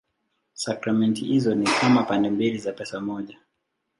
Sakramenti hizo ni kama pande mbili za pesa moja.